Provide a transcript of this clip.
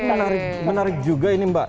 ini kan menarik juga ini mbak